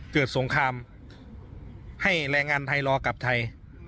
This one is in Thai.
สงครามให้แรงงานไทยรอกลับไทย